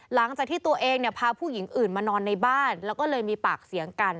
หลังจากที่ตัวเองเนี่ยพาผู้หญิงอื่นมานอนในบ้านแล้วก็เลยมีปากเสียงกัน